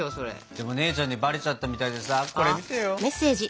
でも姉ちゃんにバレちゃったみたいでさこれ見てよ。はあ？